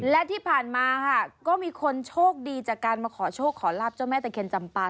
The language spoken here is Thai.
และที่ผ่านมาค่ะก็มีคนโชคดีจากการมาขอโชคขอลาบเจ้าแม่ตะเคียนจำปา